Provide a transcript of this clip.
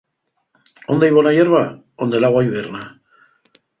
¿Ónde hai bona yerba? Onde l'agua iverna.